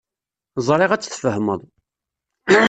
Ẓriɣ ad tt-tfehmeḍ.